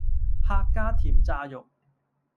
客家甜炸肉